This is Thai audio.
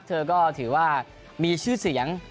เธอก็ถือว่ามีชื่อเสียง